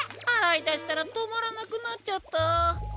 あらいだしたらとまらなくなっちゃった。